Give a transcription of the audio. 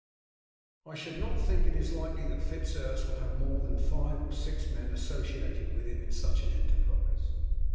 "I should not think it is likely that Fitz Urse will have more than five or six men associated with him in such an enterprise.